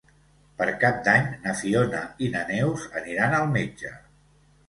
Per Cap d'Any na Fiona i na Neus aniran al metge.